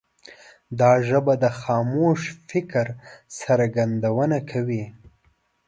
دا ژبه د خاموش فکر څرګندونه کوي.